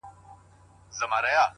که ستا د حسن د رڼا تصوير په خوب وويني!!